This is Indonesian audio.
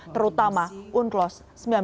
terutama unklos seribu sembilan ratus delapan puluh dua